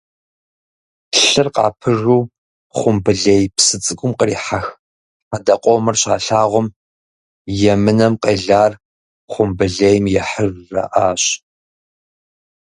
Лъыр къапыжу Хъумбылей псы цӀыкӀум кърихьэх хьэдэ къомыр щалъагъум «Емынэм къелар хъумбылейм ехьыж» жаӏащ.